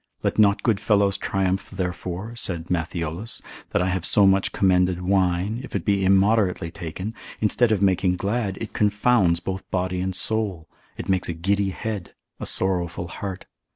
Let not good fellows triumph therefore (saith Matthiolus) that I have so much commended wine, if it be immoderately taken, instead of making glad, it confounds both body and soul, it makes a giddy head, a sorrowful heart.